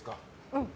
うん。